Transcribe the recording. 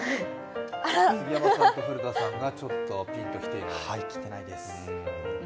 杉山さんと古田さんが、ちょっとピンと来ていない。